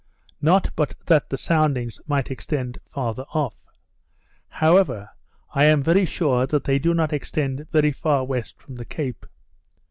Not but that the soundings may extend farther off. However, I am very sure that they do not extend very far west from the Cape.